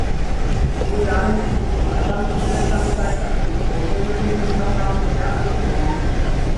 Мы дарым усім слухачам і чытачам сайта адмысловую мабільную праграму для айфонаў.